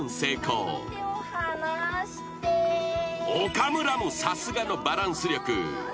［岡村もさすがのバランス力］